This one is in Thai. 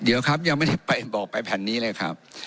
เดี๋ยวครับยังไม่ได้ไปบอกไปแผ่นนี้เลยครับ